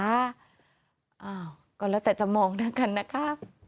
อ้าวก่อนแล้วแต่จะมองด้วยกันนะคะ